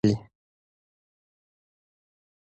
هیلې د یوې داسې ورځې په تمه وه چې ټول ښوونځي پرانیستل شي.